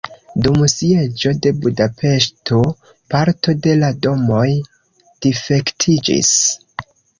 Dum sieĝo de Budapeŝto parto de la domoj difektiĝis.